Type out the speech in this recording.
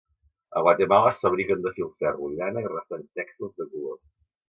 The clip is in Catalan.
A Guatemala, es fabriquen de filferro, llana i restants tèxtils de colors.